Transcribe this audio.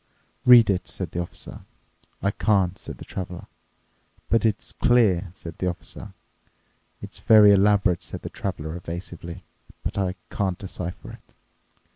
"Read it," said the Officer. "I can't," said the Traveler. "But it's clear," said the Officer." "It's very elaborate," said the Traveler evasively, "but I can't decipher it."